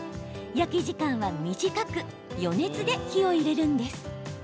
焼き時間は短く余熱で火を入れるんです。